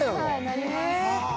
なります。